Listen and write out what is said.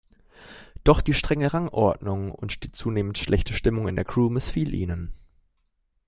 Doch die strenge Rangordnung und die zunehmend schlechte Stimmung in der Crew missfiel ihnen.